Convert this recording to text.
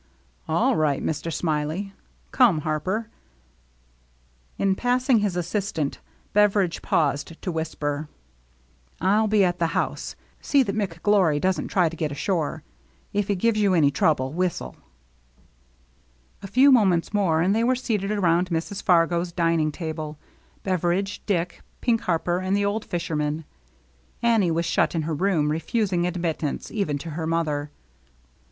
All right. Mister Smiley. Come, Harper." In passing his assistant, Beveridge paused to whisper : "I'll be at the house. See that McGlory doesn't try to get ashore. If he gives ycu any trouble, whistle." A few moments more, and they were seated around Mrs. Fargo's dining table, Beveridge, Dick, Pink Harper, and the old fisherman. Annie was shut in her room, refusing admit tance even to her mother.